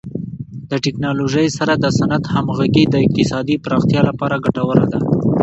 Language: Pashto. د ټکنالوژۍ سره د صنعت همغږي د اقتصادي پراختیا لپاره ګټوره ده.